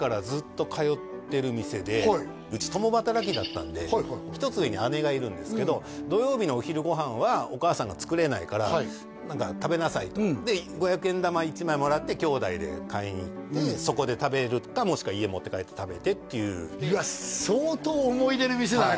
店でうち共働きだったんで１つ上に姉がいるんですけど土曜日のお昼ご飯はお母さんが作れないから何か食べなさいとで５００円玉１枚もらってきょうだいで買いに行ってそこで食べるかもしくは家持って帰って食べてっていううわっ相当思い出の店だね